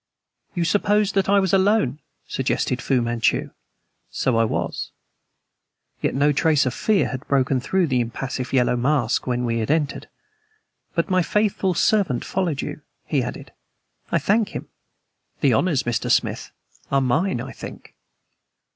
"You supposed that I was alone?" suggested Fu Manchu. "So I was." Yet no trace of fear had broken through the impassive yellow mask when we had entered. "But my faithful servant followed you," he added. "I thank him. The honors, Mr. Smith, are mine, I think?"